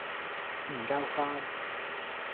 唔夠快